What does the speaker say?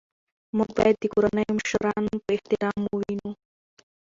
موږ باید د کورنۍ مشران په احترام ووینو